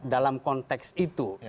dalam konteks itu